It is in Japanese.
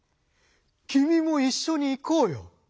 きみも一緒に行こうよ！